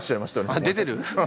あっ出てる。